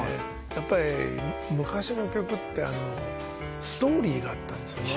やっぱり昔の曲ってストーリーがあったんですよね